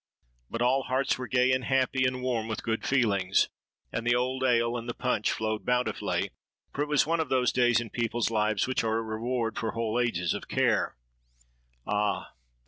But all hearts were gay and happy, and warm with good feelings; and the old ale and the punch flowed bountifully; for it was one of those days in people's lives which are a reward for whole ages of care. Ah!